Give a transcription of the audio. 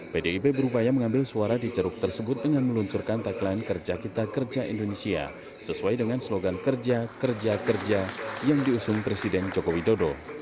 pdip berupaya mengambil suara di ceruk tersebut dengan meluncurkan tagline kerja kita kerja indonesia sesuai dengan slogan kerja kerja kerja yang diusung presiden joko widodo